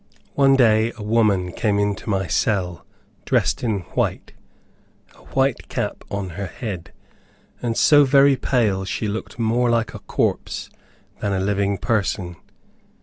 One day a woman came into my cell, dressed in white, a white cap on her head, and so very pale she looked more like a corpse than a living person.